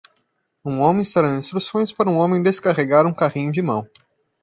Um homem está dando instruções para um homem descarregar um carrinho de mão.